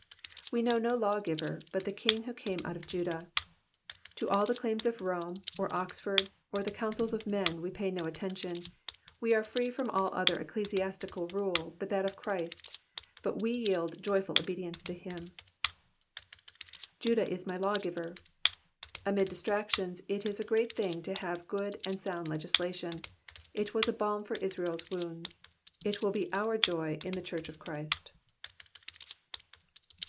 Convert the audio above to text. We know no lawgiver, but the Kin^ who came out of Judah. To all the claims of Rome, or Oxford, or the councils of men, we pay no attention ; we are free from all other ecclesiastical rule, but that of Chnst ; but we yield joyful obedience to him :^^ Judah is my lawgiver.'*^ Amid dis tractions it is a great thing to have good and sound legislation, it was a balm for Israel's wounds, it is our joy in the church of Christ.